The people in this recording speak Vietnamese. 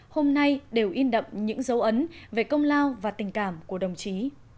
hôm nay đều in đậm những dấu ấn về công lao và tình cảm của đồng chí